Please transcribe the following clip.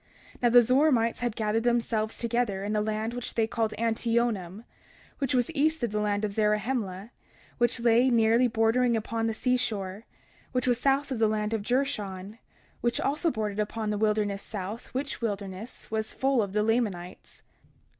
31:3 Now the Zoramites had gathered themselves together in a land which they called Antionum, which was east of the land of Zarahemla, which lay nearly bordering upon the seashore, which was south of the land of Jershon, which also bordered upon the wilderness south, which wilderness was full of the Lamanites.